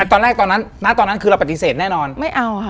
ตอนแรกตอนนั้นณตอนนั้นคือเราปฏิเสธแน่นอนไม่เอาค่ะ